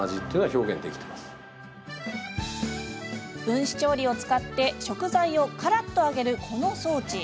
分子調理を使って食材をからっと揚げるこの装置。